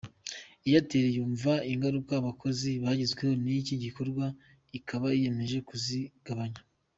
“Airtel yumva ingaruka abakozi bagizweho n’iki gikorwa, ikaba yiyemeje kuzigabanya.